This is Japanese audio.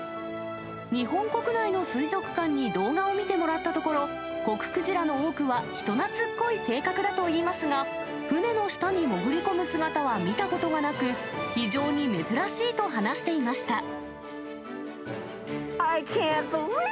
日本国内の水族館に動画を見てもらったところ、コククジラの多くは人懐っこい性格だといいますが、船の下に潜り込む姿は見たことがなく、非常に珍しいと話していました。